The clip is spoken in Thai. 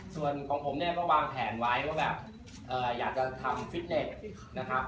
ส่วนของผมเนี่ยก็วางแผนไว้ว่าแบบอยากจะทำฟิตเนสนะครับ